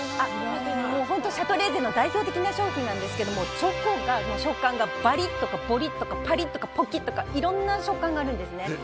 本当にシャトレーゼの代表的な商品なんですけどチョコの食感がバリッとかボリッとかパリッとかポキッとかいろんな食感があるんですね。